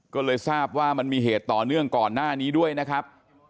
ก็เลยทราบว่ามันมีเหตุต่อเนื่องก่อนหน้านี้ด้วยนะครับ